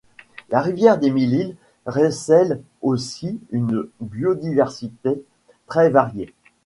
La rivière des Mille Îles recèle aussi une biodiversité très variée.